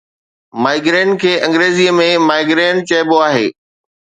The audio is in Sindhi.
Migraine کي انگريزيءَ ۾ migraine چئبو آهي